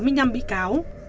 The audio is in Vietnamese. nhằm bị cáo